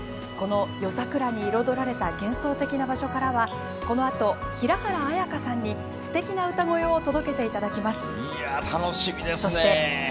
この夜桜に彩られた幻想的な場所からはこのあと、平原綾香さんにすてきな歌声を届けていただきます。